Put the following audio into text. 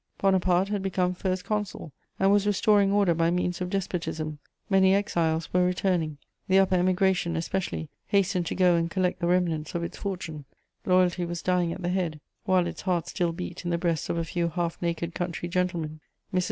Bonaparte had become First Consul and was restoring order by means of despotism; many exiles were returning; the upper Emigration, especially, hastened to go and collect the remnants of its fortune: loyalty was dying at the head, while its heart still beat in the breasts of a few half naked country gentlemen. Mrs.